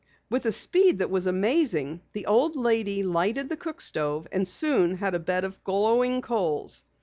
With a speed that was amazing, the old lady lighted the cook stove and soon had a bed of glowing coals.